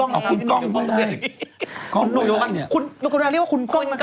มองดูว่าเรียกว่าคุณก้อง